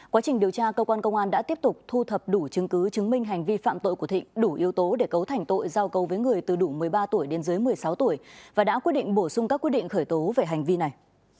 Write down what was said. quá trình điều tra cơ quan công an đã tiếp tục thu thập đủ chứng cứ chứng minh hành vi phạm tội của thịnh đủ yếu tố để cấu thành tội giao cầu với người từ đủ một mươi ba tuổi đến dưới một mươi sáu tuổi và đã quyết định bổ sung các quyết định khởi tố về hành vi này